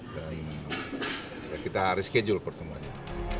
dan ya kita harus schedule pertemuannya